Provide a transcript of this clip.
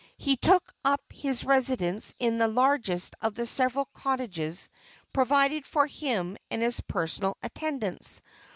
He took up his residence in the largest of the several cottages provided for him and his personal attendants.